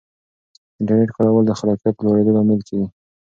د انټرنیټ کارول د خلاقیت د لوړېدو لامل کیږي.